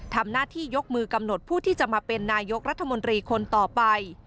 ทำหน้าที่ยกมือกำหนดผู้ที่จะมาเป็นนายกรัฐมนตรีคนต่อไป